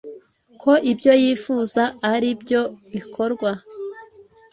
ko ibyo yifuza aribyo bikorwa.